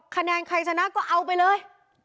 คะแนนใครชนะก็เอาไปเลย